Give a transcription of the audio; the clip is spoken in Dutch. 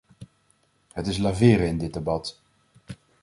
Het is laveren in dit debat.